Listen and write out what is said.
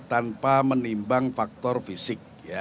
tanpa menimbang faktor fisik